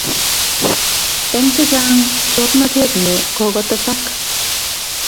eng chechang chornatet ne kokotesak